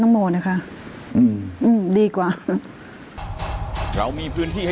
ยังเราอยู่ฮะ